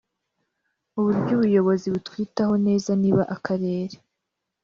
uburyo ubuyobozi butwitaho neza niba Akarere